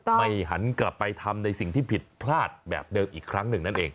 หันกลับไปทำในสิ่งที่ผิดพลาดแบบเดิมอีกครั้งหนึ่งนั่นเอง